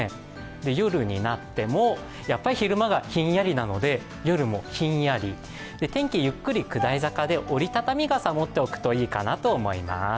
夜になっても、やっぱり昼間がひんやりなので夜もひんやり、天気、ゆっくり下り坂で折りたたみ傘を持っておくといいかなと思います。